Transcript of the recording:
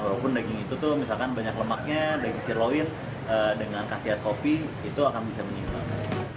walaupun daging itu tuh misalkan banyak lemaknya daging sirloin dengan kasihan kopi itu akan bisa menyeimbang